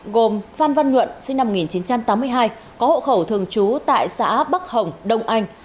gồm phan văn nhuận sinh năm một nghìn chín trăm tám mươi hai có hộ khẩu thường trú tại xã bắc hồng đông anh